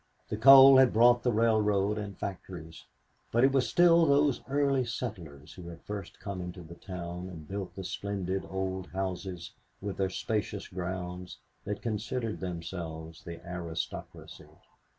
The coal had brought the railroad and factories, but it was still those early settlers who had first come into the town and built the splendid old houses, with their spacious grounds, that considered themselves the aristocracy.